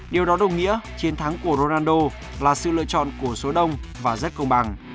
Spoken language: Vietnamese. điều đó đồng nghĩa chiến thắng của ronaldo là sự lựa chọn của số đông và rất công bằng